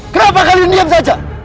kenapa kalian diam saja